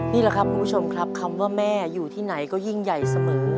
นี่แหละครับคุณผู้ชมครับคำว่าแม่อยู่ที่ไหนก็ยิ่งใหญ่เสมอ